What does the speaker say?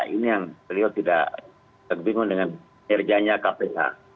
ini yang beliau tidak terbingung dengan kerjanya kpk